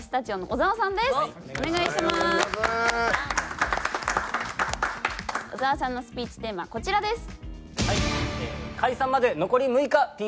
小澤さんのスピーチテーマはこちらです。